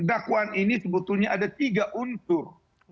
dakwaan ini sebetulnya ada tiga unsur